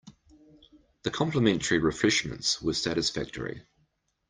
The complimentary refreshments were satisfactory.